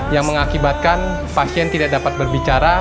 yang mengakibatkan pasien tidak dapat berbicara